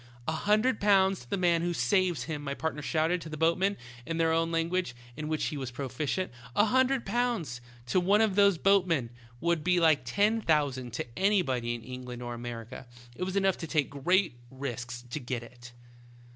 '"A hundred pounds to the man who saves him !' my partner shouted to the boatmen in their own language, in which he was proficient. "A hundred pounds to one of those boat ) men would ' be like ten thousand to anybody in England or Amer ica. It was enough to take great risks to _ get it.